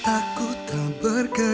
aku akan mencari kamu